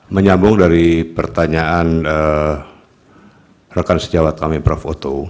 menyambung dari pertanyaan rekan sejawat kami pravoto